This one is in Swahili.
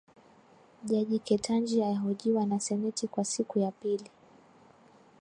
Jaji Ketanji ahojiwa na seneti kwa siku ya pili.